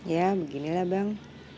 ya beginilah bang